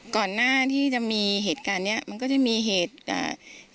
ก่อนหน้าที่จะมีเหตุการณ์เนี้ยมันก็จะมีเหตุอ่า